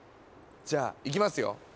じゃあいきますよ。